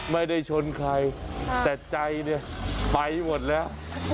ไม่ได้ชนใครแต่ใจเนี่ยไปหมดแล้ว